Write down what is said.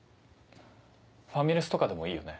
ファミレスとかでもいいよね？